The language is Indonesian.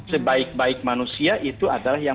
sebaik baik manusia itu adalah yang